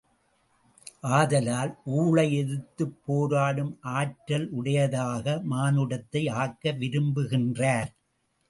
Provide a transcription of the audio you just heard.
ஆதலால் ஊழை எதிர்த்துப் போராடும் ஆற்றலுடையதாக மானுடத்தை ஆக்க விரும்புகின்றார்.